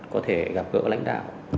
có thể gặp gỡ lãnh đạo